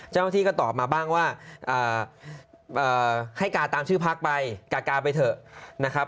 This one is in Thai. เจ้าหน้าที่ก็ตอบมาบ้างว่าให้กาตามชื่อพักไปกากาไปเถอะนะครับ